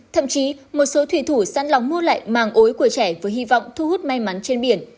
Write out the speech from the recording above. thậm chí một số thủy thủ săn lòng mua lại màng ối của trẻ với hy vọng thu hút may mắn trên biển